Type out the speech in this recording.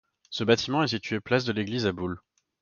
Ce bâtiment est situé place de l'Église à Buhl.